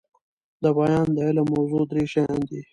دبیان د علم موضوع درې شيان دي.